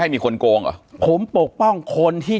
ปากกับภาคภูมิ